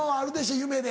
夢で。